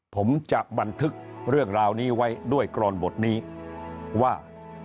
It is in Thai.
ผมจะบันทึกเรื่องราวนี้ไว้ด้วยกรอนบทนี้ว่า